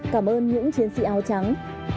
cảm ơn những chiến sĩ áo trắng